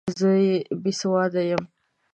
زه بې سواده یم!